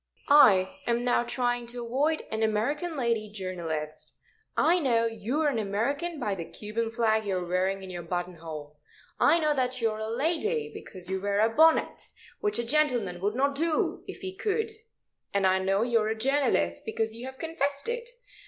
"I am now trying to avoid an American lady journalist. I know you are an American by the Cuban flag you are wearing in your button hole. I know that you are a lady, because you wear a bonnet, which a gentleman would not do if he could. And I know you are a journalist, because you have confessed it.